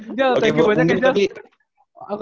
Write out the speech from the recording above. gijal thank you banyak gijal